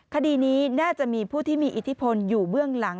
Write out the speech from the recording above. คดีนี้น่าจะมีผู้ที่มีอิทธิพลอยู่เบื้องหลัง